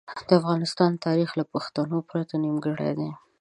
د افغانستان تاریخ له پښتنو پرته نیمګړی دی.